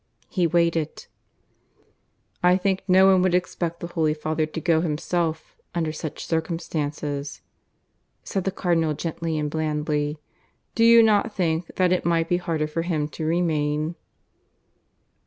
He waited. "I think no one would expect the Holy Father to go himself under such circumstances," said the Cardinal gently and blandly. "Do you not think that it might be harder for him to remain?"